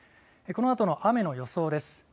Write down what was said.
このあとの雨の予想です。